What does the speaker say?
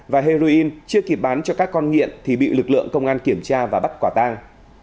và heroin chưa kịp bán cho các con nghiện thì bị lực lượng công an kiểm tra và bắt quả tang